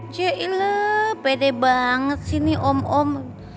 jei leh pede banget sih nih om om